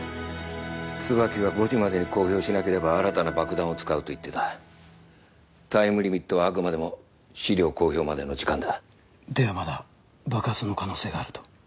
椿は５時までに公表しなければ新たな爆弾を使うと言ってたタイムリミットはあくまでも資料公表までの時間だではまだ爆発の可能性があると？